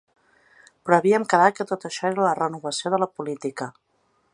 Però havíem quedat que tot això era la renovació de la política.